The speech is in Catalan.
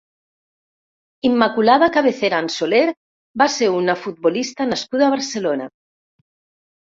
Immaculada Cabeceran Soler va ser una futbolista nascuda a Barcelona.